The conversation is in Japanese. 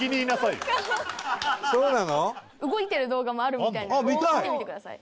動いてる動画もあるみたいなので見てみてください。